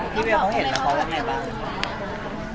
พี่เวียร์เขาเห็นแล้วเขากลัวไงบ้าง